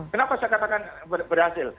kenapa saya katakan berhasil